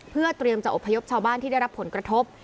เพื่อเตรียมจะอบพยพชาวบ้านที่ได้รับผลกระทบ